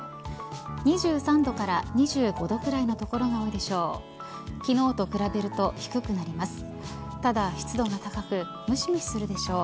２３度から２５度くらいの所が多いでしょう。